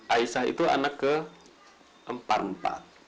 aisyah itu anak keempat